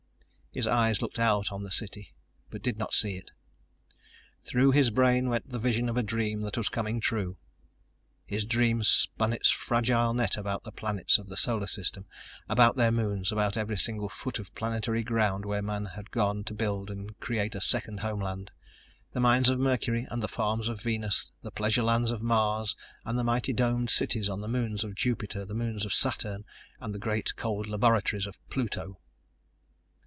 His eyes looked out on the city, but did not see it. Through his brain went the vision of a dream that was coming true. His dream spun its fragile net about the planets of the Solar System, about their moons, about every single foot of planetary ground where men had gone to build and create a second homeland the mines of Mercury and the farms of Venus, the pleasure lands of Mars and the mighty domed cities on the moons of Jupiter, the moons of Saturn and the great, cold laboratories of Pluto.